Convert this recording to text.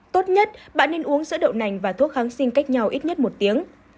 tốt nhất bạn nên uống sữa đậu nành và thuốc kháng sinh cách nhau ít nhất một tiếng